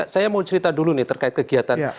saya mau cerita dulu nih terkait kegiatan